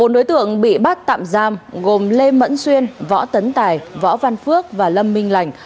bốn đối tượng bị bắt tạm giam gồm lê mẫn xuyên võ tấn tài võ văn phước và lâm minh lành